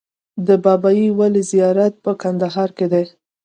د بابای ولي زیارت په کندهار کې دی